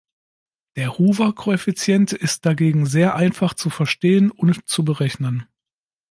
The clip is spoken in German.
Der Hoover-Koeffizient ist dagegen sehr einfach zu verstehen und zu berechnen.